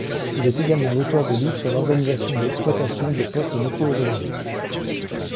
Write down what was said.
Il est également l’auteur de livres sur l’organisation et l’exploitation de postes météorologiques.